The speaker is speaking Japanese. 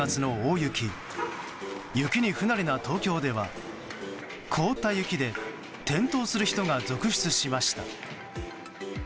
雪に不慣れな東京では凍った雪で転倒する人が続出しました。